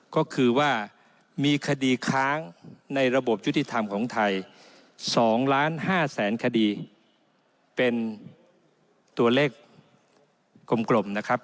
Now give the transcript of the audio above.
ก็คือว่ามีคดีค้างในระบบยุติธรรมของไทย๒ล้าน๕แสนคดีเป็นตัวเลขกลมนะครับ